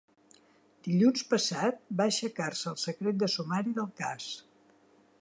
Dilluns passat va aixecar-se el secret de sumari del cas.